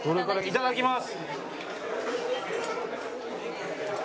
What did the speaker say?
いただきます！